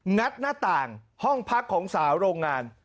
ัดหน้าต่างห้องพักของสาวโรงงาน